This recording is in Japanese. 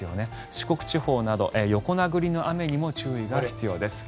四国地方など横殴りの雨にも注意が必要です。